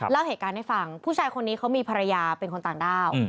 เล่าเหตุการณ์ให้ฟังผู้ชายคนนี้เขามีภรรยาเป็นคนต่างด้าว